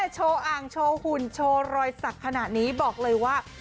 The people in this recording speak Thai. โชว์อ่างโชว์หุ่นโชว์รอยสักขนาดนี้บอกเลยว่า